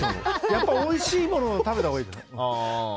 やっぱりおいしいものを食べたほうがいいです。